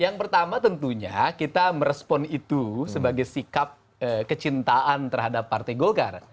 yang pertama tentunya kita merespon itu sebagai sikap kecintaan terhadap partai golkar